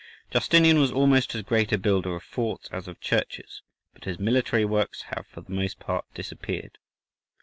Justinian was almost as great a builder of forts as of churches, but his military works have for the most part disappeared.